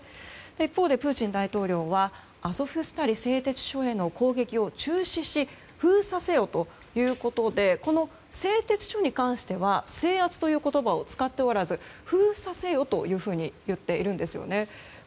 一方でプーチン大統領はアゾフスタリ製鉄所への攻撃を中止し、封鎖せよということでこの製鉄所に関しては制圧という言葉を使っておらず、封鎖せよというふうに言っているんです。